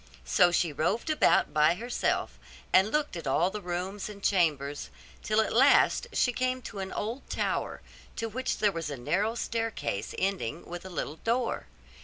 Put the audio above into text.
So she roved about by herself, and looked at all the rooms and chambers, till at last she came to an old tower, to which there was a narrow staircase ending with a little door.